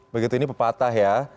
begitu ini pepatah ya